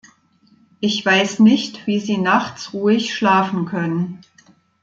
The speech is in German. Ich weiß nicht, wie sie nachts ruhig schlafen können.